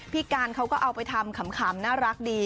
พี่การเขาก็เอาไปทำขำน่ารักดี